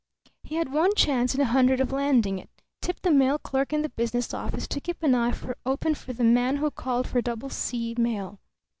He had one chance in a hundred of landing it tip the mail clerk in the business office to keep an eye open for the man who called for "Double C" mail.